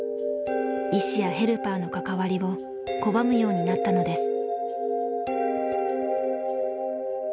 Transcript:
医師やヘルパーの関わりを拒むようになったのです。